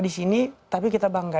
di sini tapi kita bangga